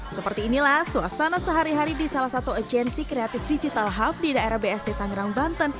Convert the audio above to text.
seperti inilah suasana sehari hari di salah satu agensi kreatif digital hub di daerah bsd tangerang banten